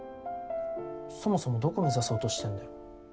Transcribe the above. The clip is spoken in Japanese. そもそもどこ目指そうとしてんだよ。